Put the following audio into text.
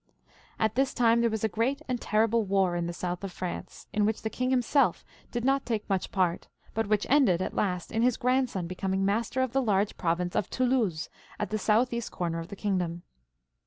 At this time there was a great and terrible war in the south of France, in which the J:ing himseK did not take much part, but which ended at last in his grandson be coming master of the large |>rovince of Toulouse at the south east comer of the kingdom.